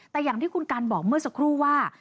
แต่อย่างที่คุณกันบอกเมื่อสักครู่ว่า